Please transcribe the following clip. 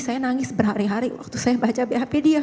saya nangis berhari hari waktu saya baca bap dia